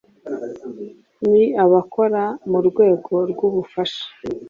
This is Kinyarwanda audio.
Ni abakora mu rwego rw’ubufasha